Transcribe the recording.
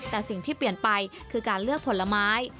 แต่สิ่งที่เปลี่ยนไปคือการเลือกผลไม้